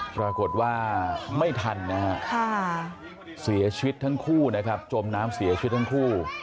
ปรากฏว่าไม่ทันนะฮะเสียชีวิตทั้งคู่นะครับจมน้ำเสียชีวิตทั้งคู่